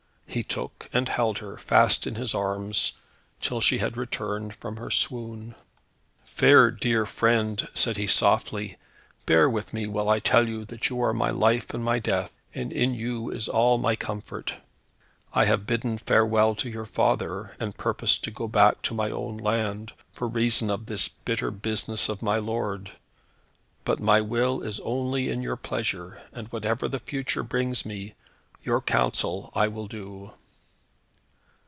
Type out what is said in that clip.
He took, and held her fast in his arms, till she had returned from her swoon. "Fair dear friend," said he softly, "bear with me while I tell you that you are my life and my death, and in you is all my comfort. I have bidden farewell to your father, and purposed to go back to my own land, for reason of this bitter business of my lord. But my will is only in your pleasure, and whatever the future brings me, your counsel I will do."